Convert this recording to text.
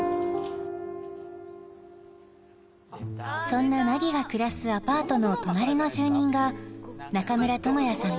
そんな凪が暮らすアパートの隣の住人が中村倫也さん